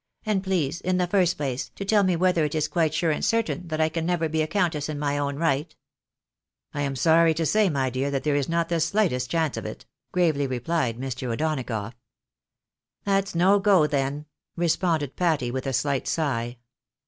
And please, in the first place, to tell me whether it is quite sure and certain that I never can be a countess in my own right ?"" I am sorry to say, my dear, that there is not the shghtest chance of it," gravely replied Mr. O'Donagough. " That's no go, then," responded Patty, with a slight sigh.